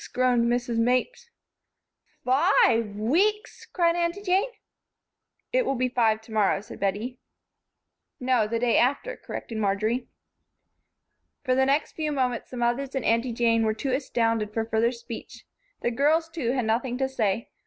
groaned Mrs. Mapes. "Fi ve weeks!" cried Aunty Jane. "It'll be five to morrow," said Bettie. "No, the day after," corrected Marjory. For the next few moments the mothers and Aunty Jane were too astounded for further speech. The girls, too, had nothing to say.